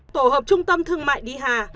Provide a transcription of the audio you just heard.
tổ hợp trung tâm thương mại đi hà